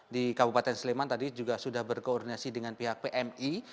di kabupaten sleman tadi juga sudah berkoordinasi dengan pihak pmi